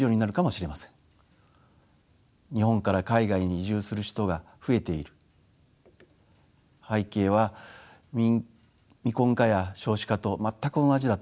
日本から海外に移住する人が増えている背景は未婚化や少子化と全く同じだと私は考えています。